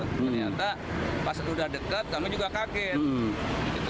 ternyata pas udah deket kami juga kaget